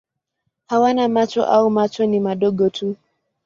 Hawana macho au macho ni madogo tu.